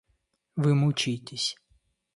Вы мучаетесь.